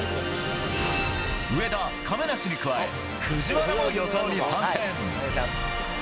上田、亀梨に加え、藤原も予想に参戦。